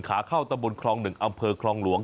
ขาเข้าตะบุญคลองหนึ่งอำเภอคลองหลวง